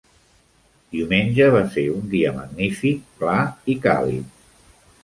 Diumenge va ser un dia magnífic, clar i càlid.